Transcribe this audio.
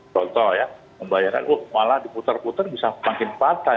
contoh ya pembayaran oh malah diputar putar bisa makin patah